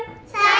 saya pak yami